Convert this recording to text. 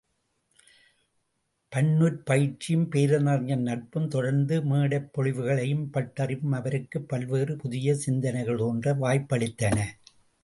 பன்னுற் பயிற்சியும், பேரறிஞரின் நட்பும், தொடர்ந்த மேடைப்பொழிவுகளும், பட்டறிவும் அவருக்குப் பல்வேறு புதிய சிந்தனைகள் தோன்ற வாய்ப்பளித்தன.